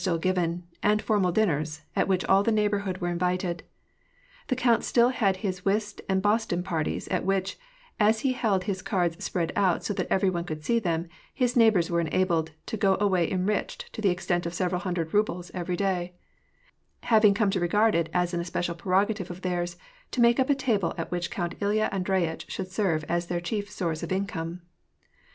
still gi^ren, and formal dinners, at Yhich all the neighborhood were invited ; the count still had his whist and Boston parties, at which, as he held his cards spread out so that every one could see them, his neighbors were enabled to go away enriched to the extent of several hundred rubles, every day : having come to regard it as an especial prerogative of theirs to make up a table at which Count Il3'a Andreyitch should serve as their chief source of income.